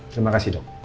terima kasih dok